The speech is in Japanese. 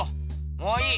もういい！